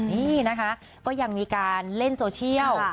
นี่นะคะก็ยังมีการเล่นโซเชียล